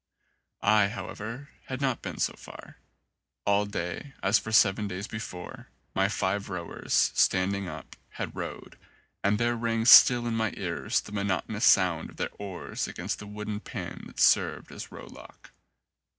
I, however, had not been so far. All day, as for seven days before, my five rowers, standing up, had rowed, and there rang still in my ears the monotonous sound of their oars against the wooden pin that served as rowlock.